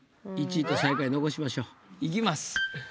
１位と最下位残しましょう。いきます。